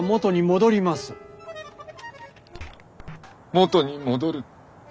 「元」に戻る。